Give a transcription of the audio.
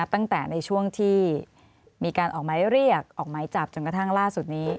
ในช่วงที่มีการออกหมายเรียกออกหมายจับจนกระทั่งล่าสุดนี้